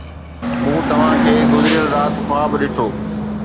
مون توهان کي گذريل رات خواب ڏٺو.